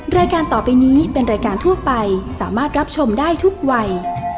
รายการต่อไปนี้เป็นรายการทั่วไปสามารถรับชมได้ทุกวัย